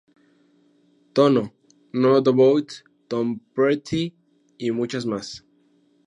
Tono!, No Doubt, Tom Petty y muchos más.